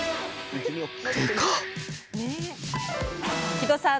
木戸さん